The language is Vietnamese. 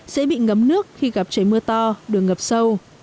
sẽ bị ngấm nước khi gặp trời mưa to đường ngập sâu